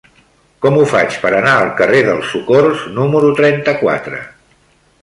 Com ho faig per anar al carrer del Socors número trenta-quatre?